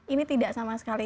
ini tidak sama sekali